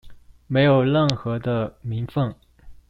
沒有任何的名份